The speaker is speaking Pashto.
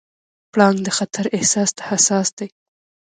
پړانګ د خطر احساس ته حساس دی.